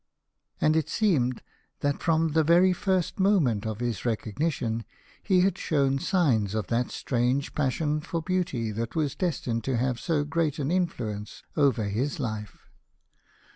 And it seems that from the very first mo ment of his recognition he had shown signs of that strange passion for beauty that was destined to have so great an influence over his life.